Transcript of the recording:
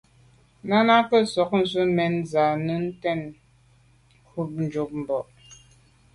Náná gə̀ sɔ̌k ndzwə́ mɛ̀n zə̄ á tɛ̌n krút jùp bà’.